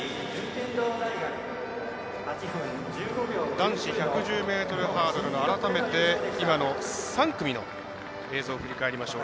男子１１０ｍハードルの３組の映像を振り返りましょう。